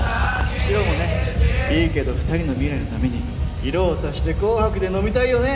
白もねいいけど二人の未来のために色を足して紅白で飲みたいよね！